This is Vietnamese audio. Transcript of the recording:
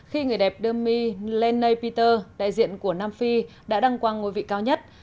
khi người đẹp đơ mi lene peter đại diện của nam phi đã đăng quang ngôi vị cao nhất